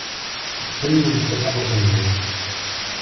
Zemmem tawwurt-nni.